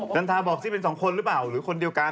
นันทาบอกสิเป็นสองคนหรือเปล่าหรือคนเดียวกัน